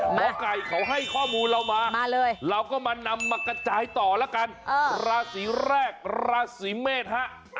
หมอไก่เขาให้ข้อมูลเรามาเลยเราก็มานำมากระจายต่อแล้วกันราศีแรกราศีเมษฮะ